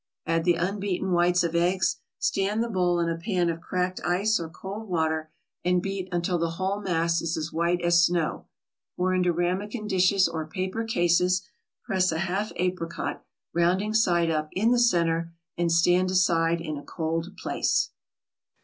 Add the unbeaten whites of eggs, stand the bowl in a pan of cracked ice or cold water, and beat until the whole mass is as white as snow. Pour into ramekin dishes or paper cases, press a half apricot, rounding side up, in the centre, and stand aside in a cold place.